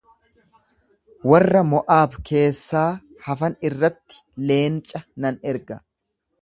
Warra Mo’aab keessaa hafan irratti leenca nan erga.